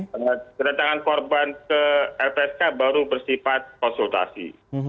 karena kedatangan korban ke lpsk baru bersifat konsultasi